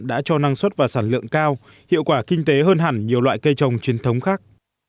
đã cho năng suất và sản lượng cao hiệu quả kinh tế hơn hẳn nhiều loại cây trồng truyền thống khác